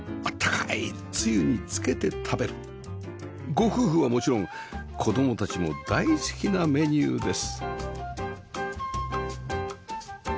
ご夫婦はもちろん子供たちも大好きなメニューです